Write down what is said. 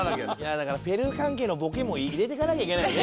だからペルー関係のボケも入れていかなきゃいけないよね。